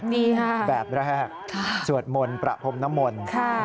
ดีค่ะแบบแรกสวดมนต์ประพรมน้ำมนต์